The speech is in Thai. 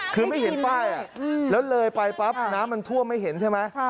คือไม่เห็นป้ายแล้วเลยไปปั๊บน้ำมันท่วมไม่เห็นใช่ไหม